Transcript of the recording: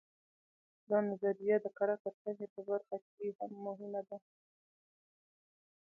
دا نظریه د کره کتنې په برخه کې هم مهمه ده